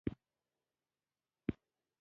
لکه یخ وهلې اوبه به زما ژوند بې مانا کېده.